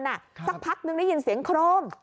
สักพักนึงได้ยินเสียงโครม